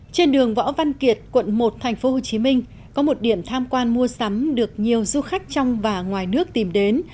trên đường võ văn kiệt quận một tp hcm có một điểm tham quan mua sắm được nhiều du khách trong và ngoài nước tìm đến